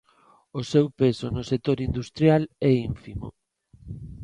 O seu peso no sector industrial é ínfimo.